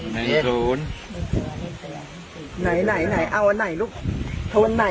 เมื่อเวลามันกลายเป็นเวลาที่สุดท้าย